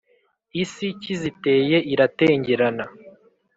Isi kiziteye iratengerana,